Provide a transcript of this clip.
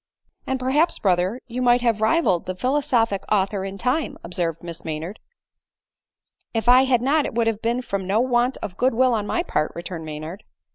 "And perhaps, brother, you might have rivalled the philosophic author in time," observed Miss Maynard. f 90 ADELINE MOWBRAY. " If I bad not, it would have been from no want of good will on my part," returned Maynard.